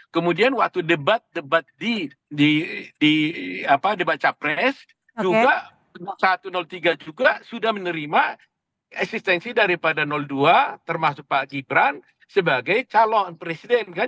kemudian waktu debat debat di debat capres juga satu ratus tiga juga sudah menerima eksistensi daripada dua termasuk pak gibran sebagai calon presiden kan